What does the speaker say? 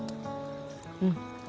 うん。